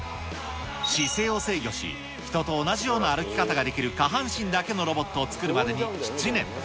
姿勢を制御し、人と同じような歩き方ができる下半身だけのロボットを作るまでに７年。